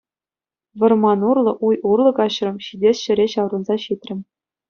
Вӑрман урлӑ, уй урлӑ каҫрӑм, ҫитес ҫӗре ҫаврӑнса ҫитрӗм.